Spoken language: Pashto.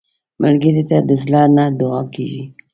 ملګری ته د زړه نه دعا کېږي